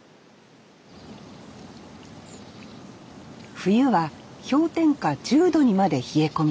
冬は氷点下１０度にまで冷え込み